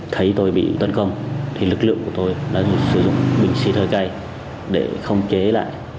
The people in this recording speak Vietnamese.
thấy tôi bị tấn công thì lực lượng của tôi đã dùng bình xì thơi cay để không chế lại